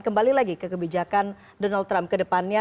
kembali lagi ke kebijakan donald trump kedepannya